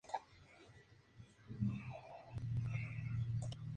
Difícil la selección del color.